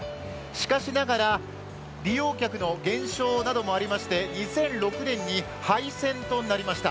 しかしながら利用客の減少などもありまして２００６年に廃線となりました。